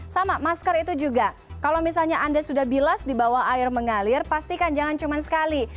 sama masker itu juga kalau misalnya anda sudah bilas di bawah air mengalir pastikan jangan cuma sekali